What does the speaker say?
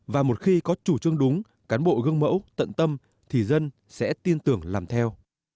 và một khi có chủ trương đúng cán bộ gương mẫu tận tâm thì dân sẽ tin tưởng làm theo